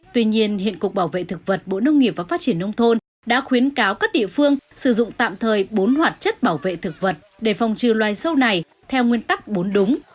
tuy nhiên hiện cục bảo vệ thực vật bộ nông nghiệp và phát triển nông thôn đã khuyến cáo các địa phương sử dụng tạm thời bốn hoạt chất bảo vệ thực vật để phòng trừ loài sâu này theo nguyên tắc bốn đúng